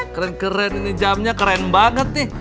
keren keren ini jamnya keren banget nih